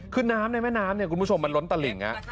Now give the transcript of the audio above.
คือน้ำในแม่น้ำเนี่ยคุณผู้ชมมันล้นตลิ่ง